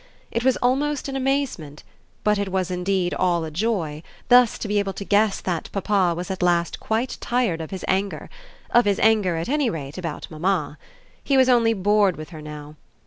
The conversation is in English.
It was almost an amazement, but it was indeed all a joy, thus to be able to guess that papa was at last quite tired of his anger of his anger at any rate about mamma. He was only bored with her now.